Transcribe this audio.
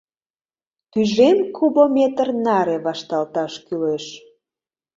Тӱжем кубометр наре вашталташ кӱлеш...